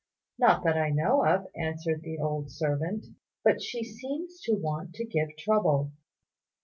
"Not that I know of," answered the old servant; "but she seems to want to give trouble."